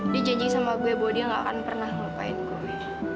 dia janji sama gue bahwa dia gak akan pernah melupain gue